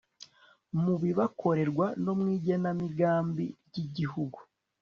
mu bibakorerwa no mu igenamigambi ry igihugu